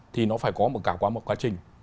thì nó phải có một cả qua một quá trình